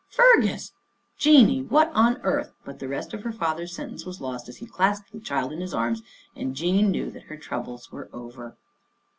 Fergus!" " Jeanie ! What on earth !" but the rest of her father's sentence was lost as he clasped the child in his arms and Jean knew that her troubles were over.